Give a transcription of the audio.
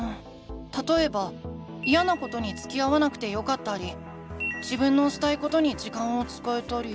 たとえばイヤなことにつきあわなくてよかったり自分のしたいことに時間を使えたり。